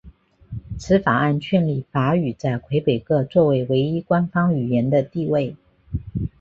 此法案确立法语在魁北克作为唯一官方语言的地位。